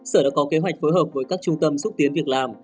sở đã có kế hoạch phối hợp với các trung tâm xúc tiến việc làm